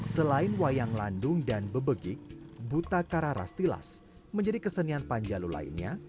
selain wayang landung dan bebegik buta kara rastilas menjadi kesenian panjalu lainnya